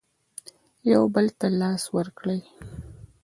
یو بل ته لاس ورکړئ